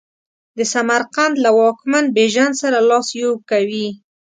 د سمرقند له واکمن بیژن سره لاس یو کوي.